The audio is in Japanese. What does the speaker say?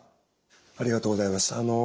ありがとうございます。